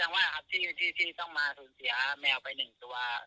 อย่างว่าที่ต้องมาถูกควบการจุดแท้แมวไปหนึ่งตัว